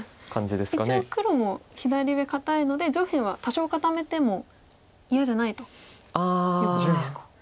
一応黒も左上堅いので上辺は多少固めても嫌じゃないということですか。